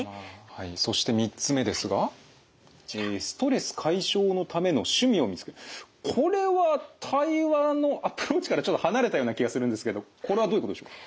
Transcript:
はいそして３つ目ですがこれは対話のアプローチからちょっと離れたような気がするんですけどこれはどういうことでしょうか？